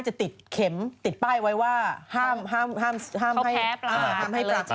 จะติดเข็มติดป้ายไว้ว่าห้ามให้ประชาชน